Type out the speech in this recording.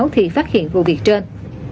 thì phát hiện vụ việc trên